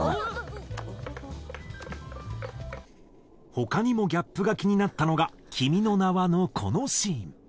他にもギャップが気になったのが『君の名は。』のこのシーン。